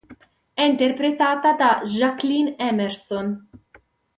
È interpretata da Jaqueline Emerson.